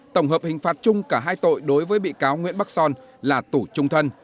tổng hợp hình phạt chung cả hai tội đối với bị cáo nguyễn bắc son là tù trung thân